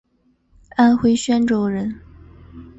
安徽宣州人。